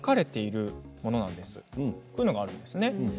こういうものがあるんですね。